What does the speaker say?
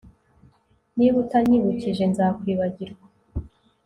Niba utanyibukije nzakwibagirwa